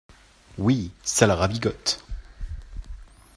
Oui, ça la ravigote.